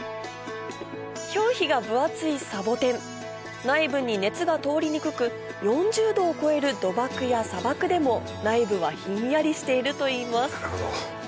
表皮が分厚いサボテン内部に熱が通りにくく４０℃を超える土漠や砂漠でも内部はひんやりしているといいます